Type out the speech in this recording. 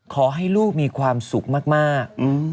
ขอให้ลูกมีความสุขมาก